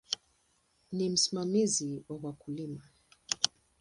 Ni msimamizi wa wakulima.